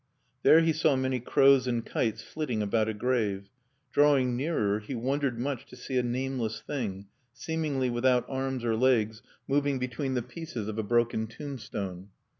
There he saw many crows and kites flitting about a grave. Drawing nearer, he wondered much to see a nameless thing, seemingly without arms or legs, moving between the pieces of a broken tombstone.